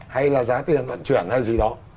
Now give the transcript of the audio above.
hay là giá tiền vận chuyển hay gì đó